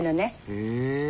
へえ。